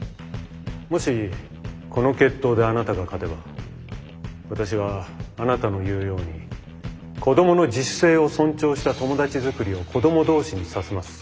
もしこの決闘であなたが勝てば私はあなたの言うように子どもの自主性を尊重した友達作りを子ども同士にさせます。